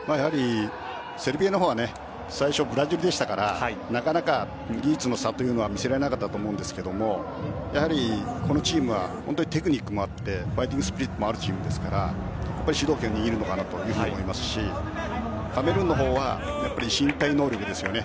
セルビアのほうは最初、ブラジルだったのでなかなか技術の差は見せられなかったと思うんですけれどもやはり、このチームはテクニックもあってファイティングスピリットもあるチームなので主導権を握るのかなと思いますしカメルーンのほうはやっぱり身体能力ですよね。